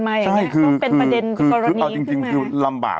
คือคนนี้ขึ้นมานะครับอเจมส์เอาจริงคือลำบาก